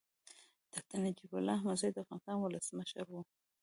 ډاکټر نجيب الله احمدزی د افغانستان ولسمشر و.